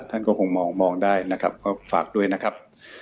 ท่านก็คงมองได้นะครับก็ฝากด้วยนะครับ